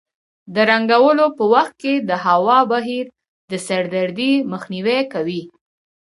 د رنګولو په وخت کې د هوا بهیر د سر دردۍ مخنیوی کوي.